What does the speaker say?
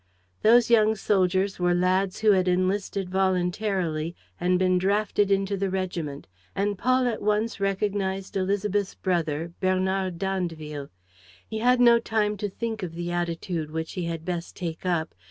Those young soldiers were lads who had enlisted voluntarily and been drafted into the regiment; and Paul at once recognized Élisabeth's brother, Bernard d'Andeville. He had no time to think of the attitude which he had best take up.